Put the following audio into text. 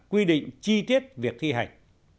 quy định chi tiết việc thi hành